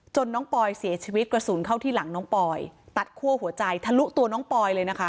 น้องปอยเสียชีวิตกระสุนเข้าที่หลังน้องปอยตัดคั่วหัวใจทะลุตัวน้องปอยเลยนะคะ